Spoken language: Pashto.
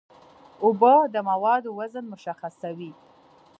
اوبه د موادو وزن مشخصوي.